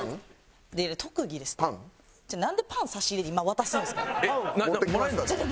なんでパン差し入れで今渡すんですか？